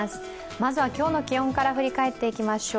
まずは今日の気温から振り返っていきましょう。